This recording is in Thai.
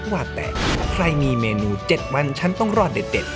ว่าแต่ใครมีเมนู๗วันฉันต้องรอดเด็ด